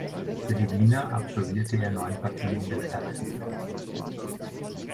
Für die Wiener absolvierte er neun Partien in der Stadtliga.